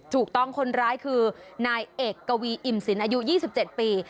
ถูกต้องคนร้ายคือนายเอกกวีอิ่มสินอายุ๒๗ปี